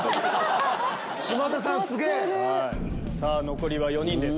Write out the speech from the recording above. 残りは４人です。